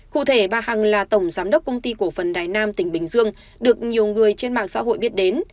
cụ thể bà hằng là tổng giám đốc công ty cổ phần đài nam tỉnh bình dương được nhiều người trên mạng xã hội biết đến